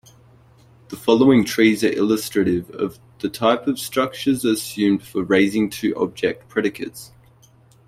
The following trees are illustrative of the type of structures assumed for raising-to-object predicates.